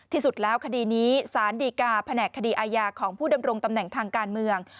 ที่สุดแล้วคดีนี้สารดีกาแผนกคดีอาญาของผู้ดำรงตำแหน่งทางการเมือง